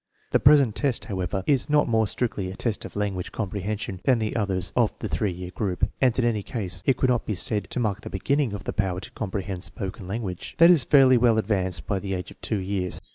The present test, however, is not more strictly a test of language comprehension than the others of the 3 year group, and in any case it could not be said to mark the beginning of the power to comprehend spoken language. That is fairly well advanced by the age of 2 years.